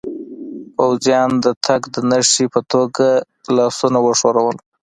پوځیانو د تګ د نښې په توګه لاسونه و ښورول.